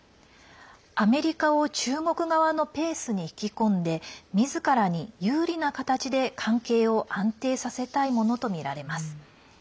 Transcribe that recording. アメリカを中国側のペースに引き込んでみずからに有利な形で関係を安定させたいものとみられます。